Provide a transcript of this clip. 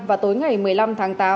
và tối ngày một mươi năm tháng tám